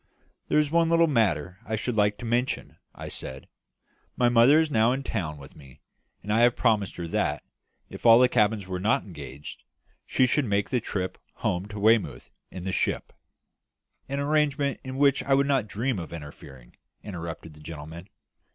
"There is one little matter I should like to mention," I said. "My mother is now in town with me, and I had promised her that, if all the cabins were not engaged, she should make the trip home to Weymouth in the ship " "An arrangement with which I would not dream of interfering," interrupted the gentleman.